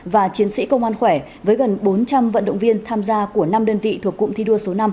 và chiến sĩ công an khỏe với gần bốn trăm linh vận động viên tham gia của năm đơn vị thuộc cụm thi đua số năm